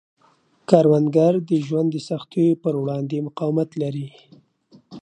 کروندګر د ژوند د سختیو پر وړاندې مقاومت لري